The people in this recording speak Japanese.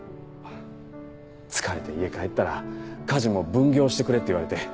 疲れて家帰ったら家事も分業してくれって言われて。